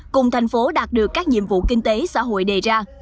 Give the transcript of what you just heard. cùng thành phố đạt được các nhiệm vụ kinh tế xã hội đề ra